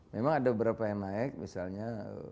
memang ada beberapa yang naik misalnya